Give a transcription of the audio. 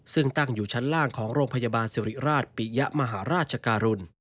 ซึ่งตั้งอยู่ชั้นล่างของโรงพยาบาลสิริราชปิยะมหาราชการุณ